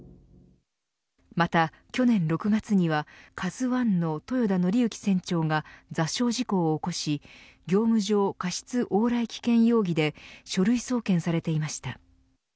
また去年６月にはＫＡＺＵ１の豊田徳幸船長が座礁事故を起こし業務上過失往来危険容疑で書類送検されていました。